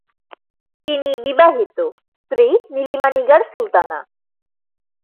তিনি বিবাহিত, স্ত্রী নীলিমা নিগার সুলতানা।